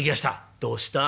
「どうした？